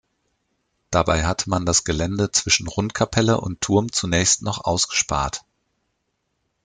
Dabei hatte man das Gelände zwischen Rundkapelle und Turm zunächst noch ausgespart.